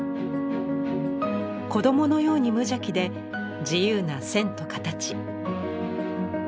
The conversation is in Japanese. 子どものように無邪気で自由な線と形。